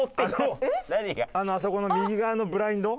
あそこの右側のブラインド。